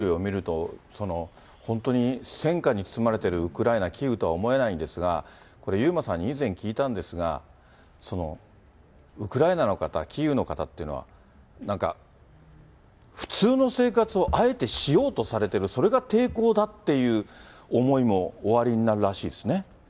この豪華なお料理を見ると、本当に戦火に包まれているウクライナ・キーウとは思えないんですが、これ、遊馬さんに以前聞いたんですが、ウクライナの方、キーウの方っていうのは、なんか、普通の生活をあえてしようとされている、それが抵抗だっていう思いもおありになるらしいですね。